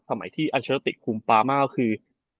สมัยที่อัชรติคุมปามาคือ